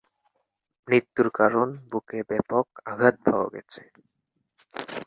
মৃত্যুর কারণ বুকে ব্যাপক আঘাত পাওয়া গেছে।